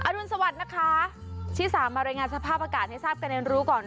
รุนสวัสดิ์นะคะที่สามมารายงานสภาพอากาศให้ทราบกันในรู้ก่อน